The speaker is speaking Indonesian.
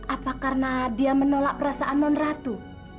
apa karena dia menolak perasaan non ratu